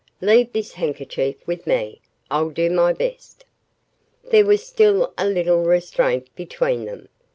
Leave this handkerchief with me. I'll do my best." There was still a little restraint between them.